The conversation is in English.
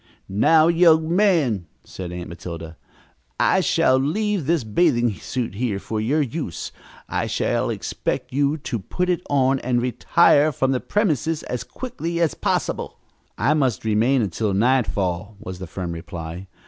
"Now, young man," said Aunt Matilda, "I shall leave this bathing suit here for your use. I shall expect you to put it on and retire from the premises as quickly as possible." "I must remain until nightfall," was the firm reply.